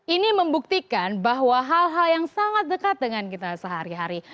ini membuktikan bahwa hal hal yang sangat dekat dengan kita sehari hari